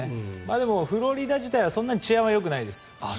でもフロリダ自体はそんなに治安はよくないです。